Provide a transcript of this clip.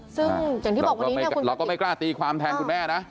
ซึ่งอย่างที่บอกว่าเราก็ไม่กล้าตีความแทนคุณแม่นะ